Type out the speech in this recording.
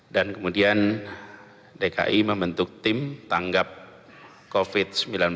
dan kemudian dki membentuk tim tanggap covid sembilan belas